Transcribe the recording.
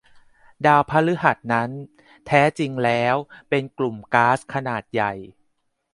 ดาวพฤหัสนั้น แท้จริงแล้วเป็นกลุ่มก๊าซขนาดใหญ่